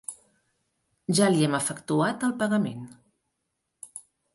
Ja li hem efectuat el pagament.